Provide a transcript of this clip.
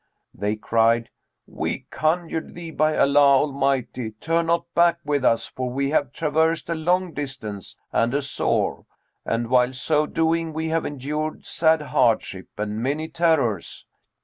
They cried, 'We conjure thee, by Allah Almighty turn not back with us; for we have traversed a long distance and a sore, and while so doing we have endured sad hardship and many terrors.'